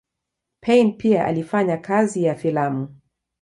Payn pia alifanya kazi ya filamu.